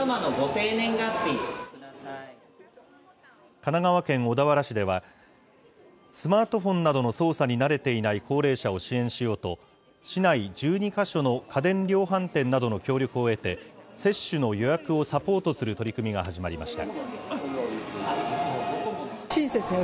神奈川県小田原市では、スマートフォンなどの操作に慣れていない高齢者を支援しようと、市内１２か所の家電量販店などの協力を得て、接種の予約をサポートする取り組みが始まりました。